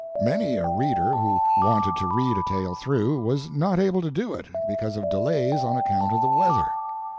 Many a reader who wanted to read a tale through was not able to do it because of delays on account of the weather.